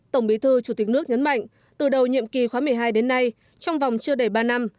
tổng bí thư chủ tịch nước nhấn mạnh từ đầu nhiệm kỳ khóa một mươi hai đến nay trong vòng chưa đầy ba năm